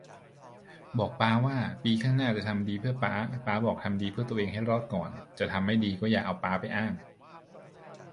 บอกป๊าว่า ปีข้างหน้า จะทำดีเพื่อป๊า ป๊าบอกทำดีเพื่อตัวเองให้รอดก่อน จะทำไม่ดีก็อย่าเอาป๊าไปอ้าง